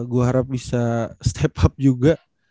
gue harap bisa step up juga